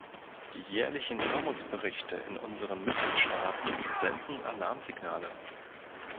Die jährlichen Armutsberichte in unseren Mitgliedstaaten senden Alarmsignale.